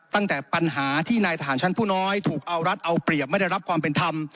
ตั้งแต่ปัญหาที่นายทหารชั้นผู้น้อยถูกเอารัฐเอาเปรียบไม่ได้รับความเป็นธรรม